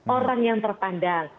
orang yang terpandang